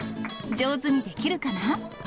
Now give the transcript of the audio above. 上手にできるかな。